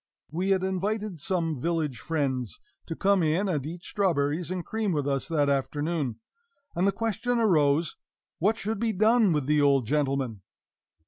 We had invited some village friends to come in and eat strawberries and cream with us that afternoon; and the question arose, what should be done with the old gentleman?